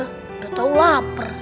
udah tau lapar